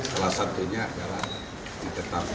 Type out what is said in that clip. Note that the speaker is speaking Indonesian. salah satunya adalah